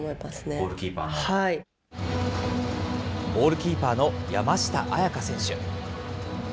ゴールキーパーの山下杏也加選手。